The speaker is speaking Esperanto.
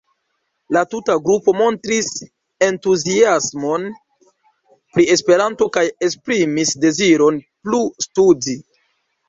La tuta grupo montris entuziasmon pri Esperanto kaj esprimis deziron plu studi.